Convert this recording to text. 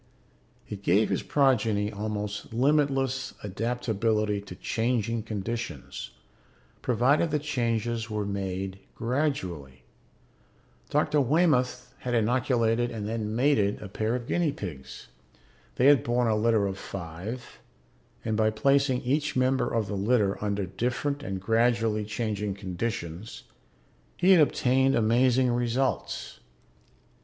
It gave his progeny almost limitless adaptability to changing conditions, provided the changes were made gradually. Dr. Waymoth had inoculated and then mated a pair of guinea pigs; they had borne a litter of five and by placing each member of the litter under different and gradually changing conditions, he had obtained amazing results.